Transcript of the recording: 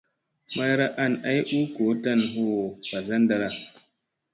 Mayra an ay u goo tan huu mbazanda.